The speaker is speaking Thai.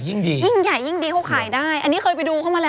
ยิ่งใหญ่ยิ่งดี